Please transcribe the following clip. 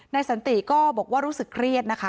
สันติก็บอกว่ารู้สึกเครียดนะคะ